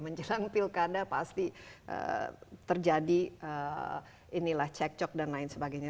menjelang pilkada pasti terjadi inilah cekcok dan lain sebagainya